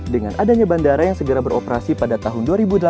dengan adanya bandara yang segera beroperasi pada tahun dua ribu delapan belas